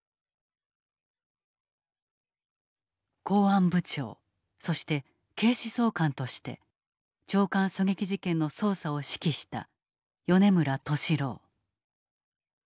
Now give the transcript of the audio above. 公安部長そして警視総監として長官狙撃事件の捜査を指揮した米村敏朗。